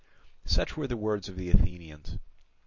Such were the words of the Athenians.